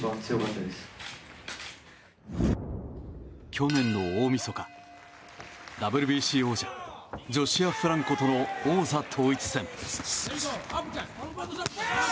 去年の大みそかＷＢＣ王者ジョシュア・フランコとの王座統一戦。